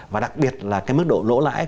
và đặc biệt là cái mức độ lỗ lãi